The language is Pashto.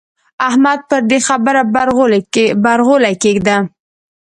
احمده پر دې خبره برغولی کېږده.